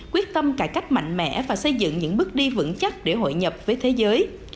quyết tâm cải cách mạnh mẽ và xây dựng những bước đi vững chắc để hội nhập với thế giới